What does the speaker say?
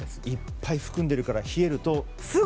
いっぱい含んでるから冷えると。